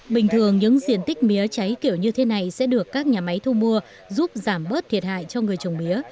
bình thường những diện tích mía trái kiểu như thế này sẽ được các nhà máy thu mua giúp giảm bớt thiệt hại cho người trồng mía